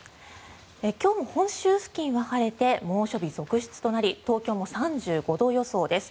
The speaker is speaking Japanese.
今日も本州付近は晴れて猛暑日続出となり東京も３５度予想です。